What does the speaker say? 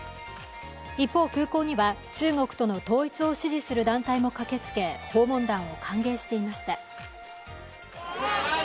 一方、空港には中国との統一を支持する団体も駆けつけ訪問団を歓迎していました。